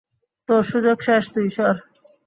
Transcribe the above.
তোর সুযোগ শেষ, তুই সর।